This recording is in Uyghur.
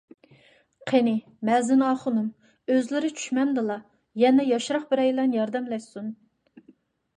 قېنى، مەزىن ئاخۇنۇم، ئۆزلىرى چۈشمەمدىلا، يەنە ياشراق بىرەيلەن ياردەملەشسۇن.